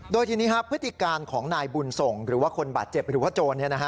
โดยทีนี้พฤติการของนายบุญส่งหรือว่าคนบาดเจ็บหรือว่าโจร